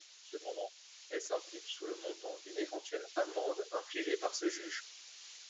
Cependant, elle s'impute sur le montant d'une éventuelle amende infligée par ce juge.